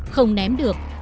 không ném được